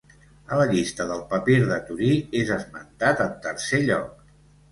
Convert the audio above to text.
A la llista del Papir de Torí és esmentat en tercer lloc.